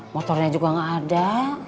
motornya juga gak ada